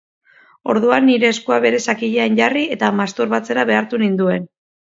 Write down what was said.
Orduan, nire eskua bere zakilean jarri eta masturbatzera behartu ninduen.